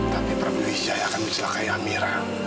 tapi prabu wijaya akan mencelakai amira